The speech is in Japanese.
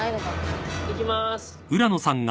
いきまーす。